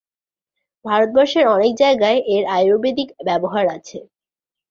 ভারতবর্ষের অনেক জায়গায় এর আয়ুর্বেদিক ব্যবহার আছে।